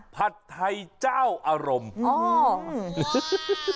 ผัดไทเจ้าอารมณ์